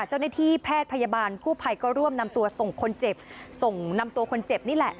เจ้าหน้าที่แพทย์พยาบาลกู้ภัยก็ร่วมนำตัวส่งคนเจ็บส่งนำตัวคนเจ็บนี่แหละ